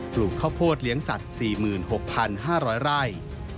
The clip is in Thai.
ลูกข้าวโพดเลี้ยงสัตว์๔๖๕๐๐ไร่